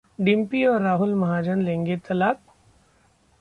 डिम्पी और राहुल महाजन लेंगे तलाक?